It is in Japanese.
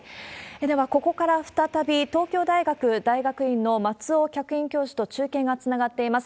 では、ここから再び東京大学大学院の松尾客員教授と中継がつながっています。